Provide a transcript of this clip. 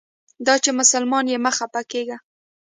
دا چې مسلمان یې مه خپه کیږه.